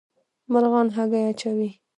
مرغان هګۍ اچوي